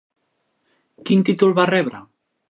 Quin títol va rebre?